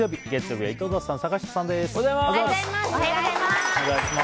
本日月曜日、月曜日は井戸田さん、坂下さんです。